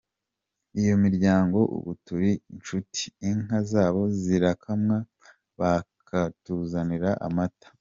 Iyo miryango ubu turi inshuti, inka zabo zirakamwa bakatuzanira amata.